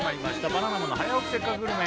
バナナマンの「早起きせっかくグルメ！！」